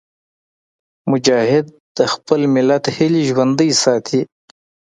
مجاهد د خپل ملت هیلې ژوندي ساتي.